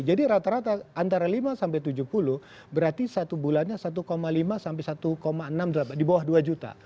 jadi rata rata antara lima sampai tujuh puluh berarti satu bulannya satu lima sampai satu enam di bawah dua juta